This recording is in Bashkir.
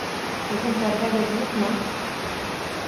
Һеҙҙең пәрҙәгеҙ юҡмы?